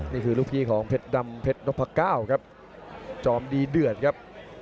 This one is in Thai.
นี่คือลูกพี่ของเพชรดำเพชรนพก้าวครับจอมดีเดือดครับ